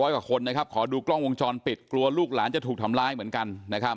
กว่าคนนะครับขอดูกล้องวงจรปิดกลัวลูกหลานจะถูกทำร้ายเหมือนกัน